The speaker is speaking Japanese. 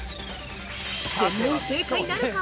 ◆全問正解なるか！？